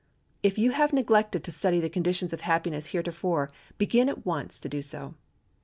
If you have neglected to study the conditions of happiness heretofore begin at once to do so.